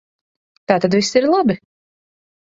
Tātad viss ir labi.